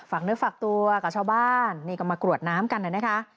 เนื้อฝากตัวกับชาวบ้านนี่ก็มากรวดน้ำกันนะคะ